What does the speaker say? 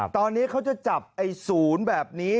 ตอนนี้เขาจะจับไอ้ศูนย์แบบนี้